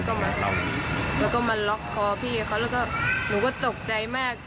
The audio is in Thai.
ทำงานเหรอค่ะแล้วก็มาล็อกคอพี่กับเขาแล้วก็หนูก็ตกใจมาก